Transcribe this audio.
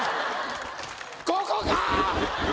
ここかー！